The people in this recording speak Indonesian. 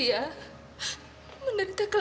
apa penyakit aisyah